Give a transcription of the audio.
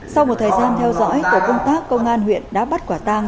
sau một thời gian theo dõi tổ công tác công an huyện đã bắt quả tang